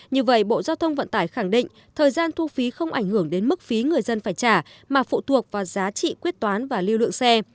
như vậy bộ giao thông vận tải khẳng định thời gian thu phí không ảnh hưởng đến mức phí người dân phải trả mà phụ thuộc vào giá trị quyết toán và lưu lượng xe